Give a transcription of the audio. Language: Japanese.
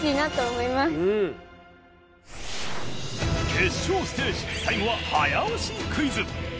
決勝ステージ最後は早押しクイズ。